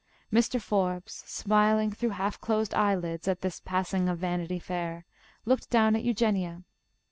Mr. Forbes, smiling through half closed eyelids at this passing of Vanity Fair, looked down at Eugenia.